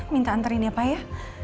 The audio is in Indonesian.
minta anterin dia pa ya